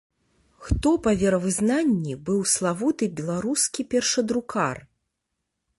Хто па веравызнанні быў славуты беларускі першадрукар?